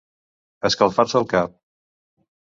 Escalfar-se el cap.